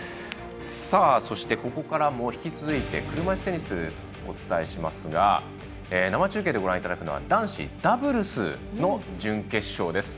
そして、ここからも引き続いて車いすテニスをお伝えしますが生中継でご覧いただくのは男子ダブルスの準決勝です。